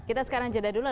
kita sekarang jeda dulu